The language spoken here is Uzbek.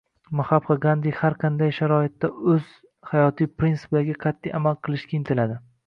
Mahatma Gandi har qanday sharoitda oʻz hayotiy prinsiplariga qatʼiy amal qilishga intiladi